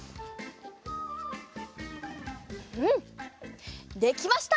うんできました！